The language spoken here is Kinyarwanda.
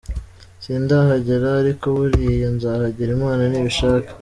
Sindahagera ariko buriya nzahagera Imana nibishaka.